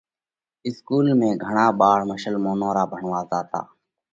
اِسڪُول ۾ گھڻا ٻاۯ مشلمونَون را ڀڻوا زاتا۔